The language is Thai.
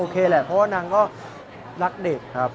เพราะว่านังก็รักเด็กครับ